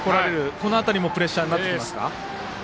この辺りもプレッシャーになってきますか？